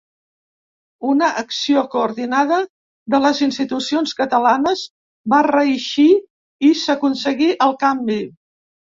Una acció coordinada de les institucions catalanes va reeixir i s’aconseguí el canvi.